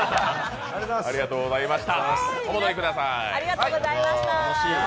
ありがとうございます。